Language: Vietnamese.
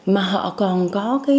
mà họ còn có